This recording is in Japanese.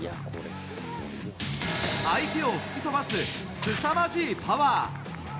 相手を吹き飛ばすすさまじいパワー。